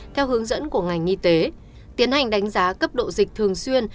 theo hướng dẫn của ngành y tế tiến hành đánh giá cấp độ dịch thường xuyên